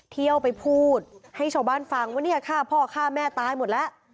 เที่ยวไปพูดให้ชาวบ้านฟังว่าเนี่ยฆ่าพ่อฆ่าแม่ตายหมดแล้ว